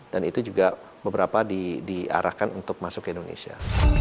dan itu juga beberapa diarahkan untuk masuk ke indonesia